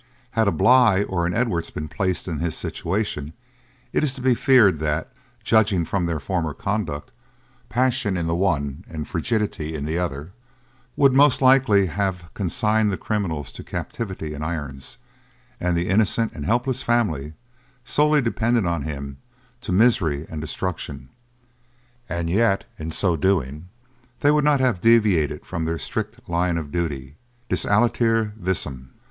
Had a Bligh or an Edwards been placed in his situation it is to be feared that, judging from their former conduct, passion in the one, and frigidity in the other, would most likely have consigned the criminal to captivity in irons, and the innocent and helpless family, solely dependent on him, to misery and destruction and yet, in so doing, they would not have deviated from their strict line of duty, Dis aliter visum.